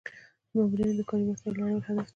د مامورینو د کاري وړتیاوو لوړول هدف دی.